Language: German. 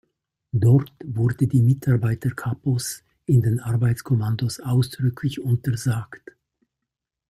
Dort wurde die Mitarbeit der Kapos in den Arbeitskommandos ausdrücklich untersagt.